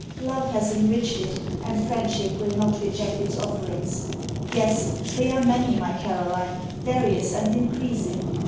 Love has enriched it; and friendship will not reject its offerings. Yes: they are many, my Caroline; various and increasing.